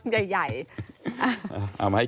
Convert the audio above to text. ก็ปูต้องเดินไปครูนาไหม